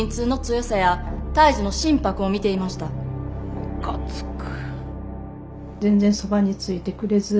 むかつく。